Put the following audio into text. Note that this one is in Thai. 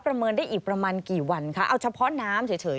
เมินได้อีกประมาณกี่วันคะเอาเฉพาะน้ำเฉย